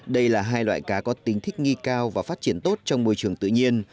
đây là hai loại cá có tính thích nghi cao và phát triển tốt trong môi trường tự nhiên